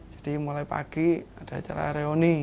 jadi mulai pagi ada acara reuni